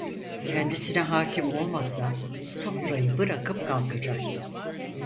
Kendisine hâkim olmasa sofrayı bırakıp kalkacaktı.